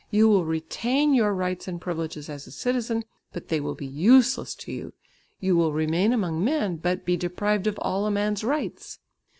You will retain your rights and privileges as a citizen, but they will be useless to you. You will remain among men, but be deprived of all a man's rights.